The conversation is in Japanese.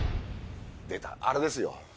出たあれですよ。